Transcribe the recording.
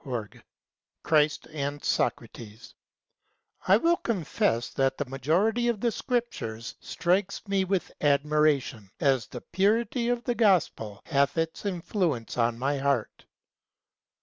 CHRIST AND SOCRATES I WILL confess that the majesty of the Scriptures strikes me with admiration, as the purity of the Gospel hath its influence on my heart.